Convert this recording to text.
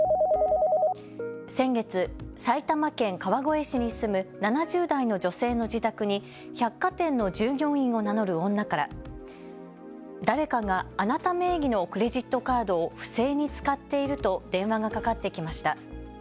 先月、埼玉県川越市に住む７０代の女性の自宅に百貨店の従業員を名乗る女から誰かがあなた名義のクレジットカードを不正に使っていると電話がかかってきました。